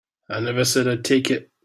I never said I'd take it.